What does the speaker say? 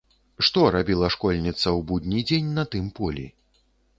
Што рабіла школьніца ў будні дзень на тым полі?